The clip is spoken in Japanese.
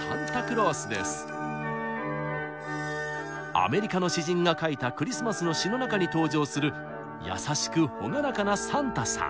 アメリカの詩人が書いたクリスマスの詩の中に登場する優しく朗らかなサンタさん。